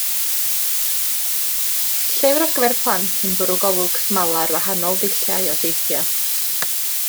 Llyfr ar gyfer plant yn bwrw golwg smala ar wahanol ddulliau o deithio.